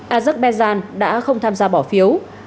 azerbaijan đã không tham gia bỏ phiếu